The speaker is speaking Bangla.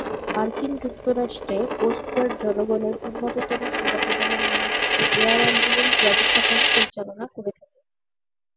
মার্কিন যুক্তরাষ্ট্রে কোস্ট গার্ড জনগণের উন্নততর সেবা প্রদানের নিমিত্তে এয়ার অ্যাম্বুলেন্স ব্যবস্থাপনা পরিচালনা করে থাকে।